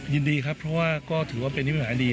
ยินดีครับเพราะว่าก็ถือว่าเป็นนิปัญหาดี